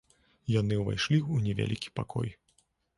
Яны ўвайшлі ў невялікі пакой.